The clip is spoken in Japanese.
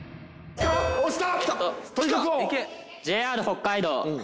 押した！